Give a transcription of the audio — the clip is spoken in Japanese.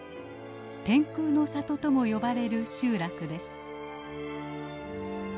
天空の里とも呼ばれる集落です。